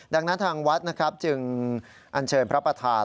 ดังนั้นทางวัดนะครับจึงอันเชิญพระประธาน